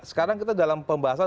sekarang kita dalam pembahasan